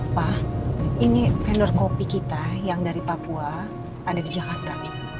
pak ini vendor kopi kita yang dari papua ada di jakarta